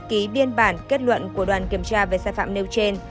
ký biên bản kết luận của đoàn kiểm tra về sai phạm nêu trên